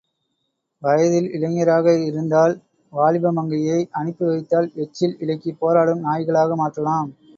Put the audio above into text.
வயதில் இளைஞராக இருந்தால் வாலிப மங்கையை அனுப்பி வைத்தால் எச்சில் இலைக்குப் போராடும் நாய்களாக மாற்றலாம்.